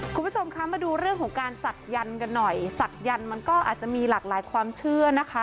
คุณผู้ชมคะมาดูเรื่องของการศักดิ์กันหน่อยศักยันต์มันก็อาจจะมีหลากหลายความเชื่อนะคะ